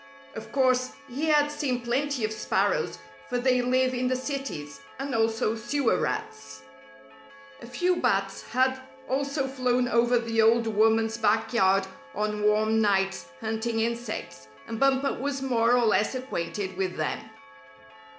Of course, he had seen plenty of sparrows, for they live in the cities, and also sewer rats. A few bats had also flown over the old woman's backyard on warm nights hunting insects, and Bumper was more or less acquainted with them.